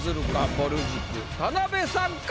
ぼる塾田辺さんか？